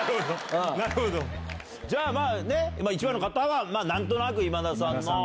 じゃあ１番の方は何となく今田さんの。